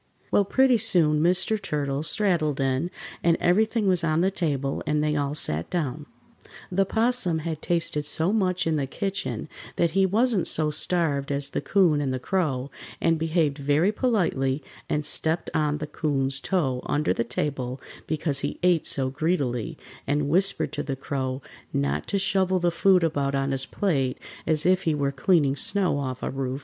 Well, pretty soon Mr. Turtle straddled in, and everything was on the table and they all sat down. The 'Possum had tasted so much in the kitchen that he wasn't so starved as the 'Coon and the Crow, and behaved very politely, and stepped on the 'Coon's toe under the table because he ate so greedily, and whispered to the Crow not to shovel the food about on his plate, as if he were cleaning snow off a roof.